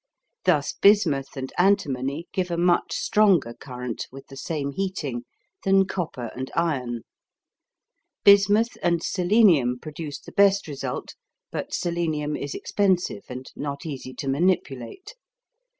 Thus bismuth and antimony give a much stronger current with the same heating than copper and iron. Bismuth and selenium produce the best result, but selenium is expensive and not easy to manipulate.